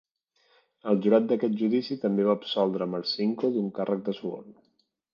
El jurat d'aquest judici també va absoldre Marcinko d'un càrrec de suborn.